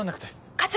課長！